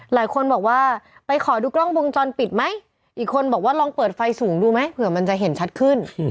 หลายคนบอกว่าไปขอดูกล้องวงจรปิดไหมอีกคนบอกว่าลองเปิดไฟสูงดูไหมเผื่อมันจะเห็นชัดขึ้น